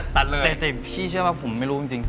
แต่พี่เชื่อว่าผมไม่รู้จริง